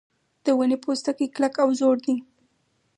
د ونې پوستکی کلک او زوړ دی.